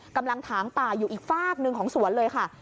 ถางป่าอยู่อีกฝากหนึ่งของสวนเลยค่ะ